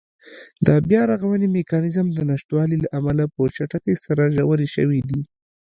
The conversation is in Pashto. د بیا رغونې میکانېزم د نشتوالي له امله په چټکۍ سره ژورې شوې دي.